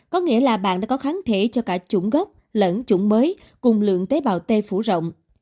có nghĩa là bạn đã có kháng thể cho cả trùng gốc lẫn chủng mới cùng lượng tế bào t phủ rộng